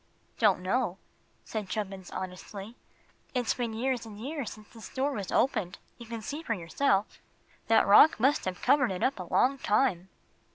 "Don't know," said Chubbins, honestly. "It's been years and years since this door was opened. You can see for yourself. That rock must have covered it up a long time."